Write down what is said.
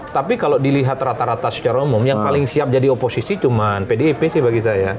tapi kalau dilihat rata rata secara umum yang paling siap jadi oposisi cuma pdip sih bagi saya